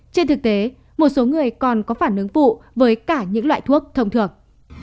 trên thực tế một số người còn có phản ứng phụ với cả những loại thuốc thông thường